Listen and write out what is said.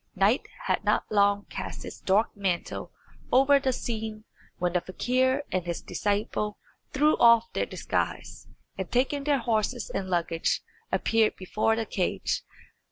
Night had not long cast its dark mantle over the scene when the fakir and his disciple threw off their disguise, and taking their horses and luggage, appeared before the cage.